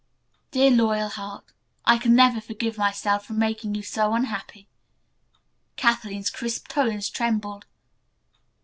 "Dear Loyalheart, I can never forgive myself for making you so unhappy," Kathleen's crisp tones trembled.